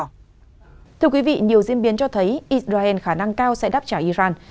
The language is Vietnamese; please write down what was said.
nhiều diễn biến cho thấy israel khả năng cao sẽ đáp trả iran